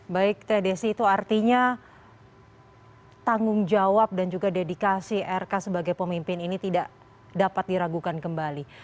baik teh desi itu artinya tanggung jawab dan juga dedikasi rk sebagai pemimpin ini tidak dapat diragukan kembali